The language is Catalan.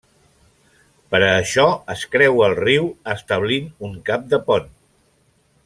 Per a això es creua el riu, establint un cap de pont.